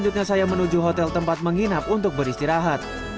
tempat menginap untuk beristirahat